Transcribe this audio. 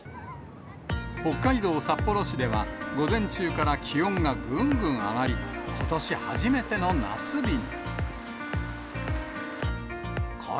北海道札幌市では、午前中から気温がぐんぐん上がり、ことし初めての夏日に。